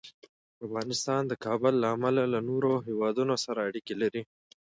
افغانستان د کابل له امله له نورو هېوادونو سره اړیکې لري.